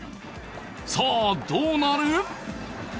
さあどうなる？